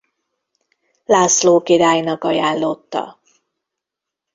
László királynak ajánlotta.